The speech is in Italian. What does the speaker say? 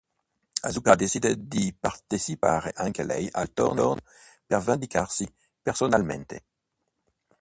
Asuka decide di partecipare anche lei al torneo, per vendicarsi personalmente.